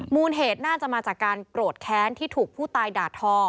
เหตุน่าจะมาจากการโกรธแค้นที่ถูกผู้ตายด่าทอ